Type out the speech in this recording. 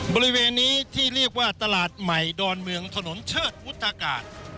บริเวณนี้ที่เรียกว่าตลาดใหม่ดอนเมืองถนนเชิดวุฒากาศ